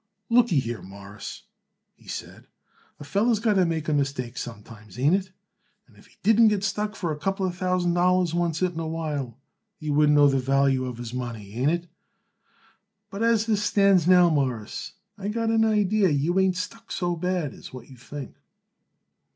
"Lookyhere, Mawruss," he said, "a feller's got to make a mistake sometimes. Ain't it? And if he didn't get stuck for a couple of thousand dollars oncet in a while he wouldn't know the value of his money. Ain't it? But as this thing stands now, Mawruss, I got an idee you ain't stuck so bad as what you think."